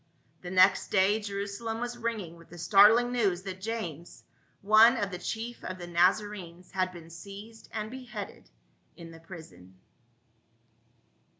The next day Jerusalem was ringing with the start ling news that James, one of the chief of the Naza renes, had been seized and beheaded in the prison.